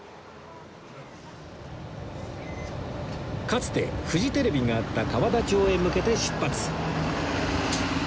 かつてフジテレビがあった河田町へ向けて出発